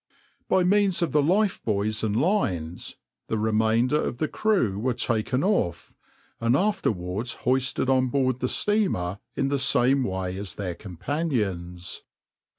By means of the lifebuoys and lines the remainder of the crew were taken off, and afterwards hoisted on board the steamer in the same way as their companions.